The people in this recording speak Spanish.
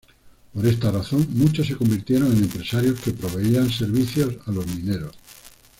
Por esta razón, muchos se convirtieron en empresarios que proveían servicios a los mineros.